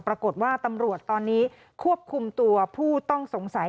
ปรากฏว่าตำรวจตอนนี้ควบคุมตัวผู้ต้องสงสัย